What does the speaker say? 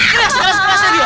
teriak segera segera segera gia